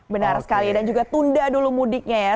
benar sekali dan juga tunda dulu mudiknya ya